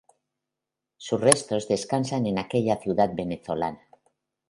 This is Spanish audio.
Sus restos descansan en aquella ciudad venezolana.